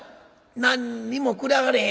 「何にもくれはれへん」。